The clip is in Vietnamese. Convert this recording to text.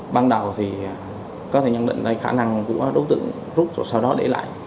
ban đầu thì có thể nhận định đây khả năng của đối tượng rút rồi sau đó để lại